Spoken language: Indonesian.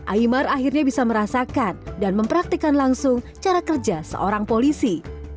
aymar akhirnya bisa merasakan dan mempraktikan langsung cara kerja seorang polisi